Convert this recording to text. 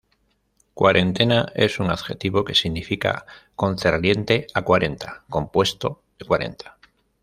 Cuarentena es un adjetivo que significa concerniente a cuarenta, compuesto de cuarenta.